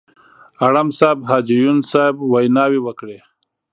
اړم صاحب، حاجي یون صاحب ویناوې وکړې.